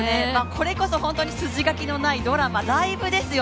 これこそ筋書きのないドラマライブですよ。